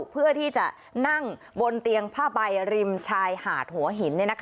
เพื่อที่จะนั่งบนเตียงผ้าใบริมชายหาดหัวหิน